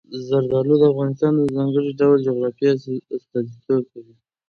زردالو د افغانستان د ځانګړي ډول جغرافیه استازیتوب کوي.